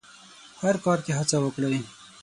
هر کار کې هڅه وکړئ.